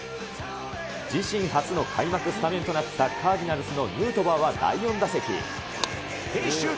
自身初の開幕スタメンとなった、カージナルスのヌートバーは、第４打席。